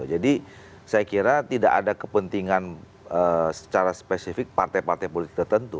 jadi saya kira tidak ada kepentingan secara spesifik partai partai politik tertentu